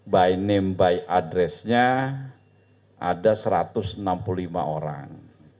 by name by address nya ada satu ratus enam puluh lima orang